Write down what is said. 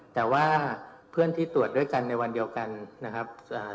แต่ว่าเพื่อนที่ตรวจด้วยกันในวันเดียวกันนะครับ